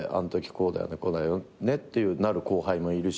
こうだよねってなる後輩もいるし